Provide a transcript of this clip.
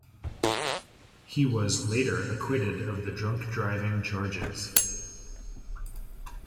He was later acquitted of the drunk driving charges.